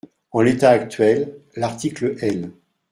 En l’état actuel, l’article L.